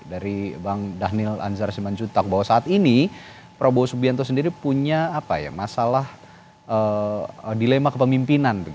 dari bang dhanil anzar simanjutak bahwa saat ini prabowo subianto sendiri punya masalah dilema kepemimpinan